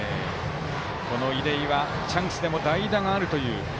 この出井は、チャンスでも代打があるという。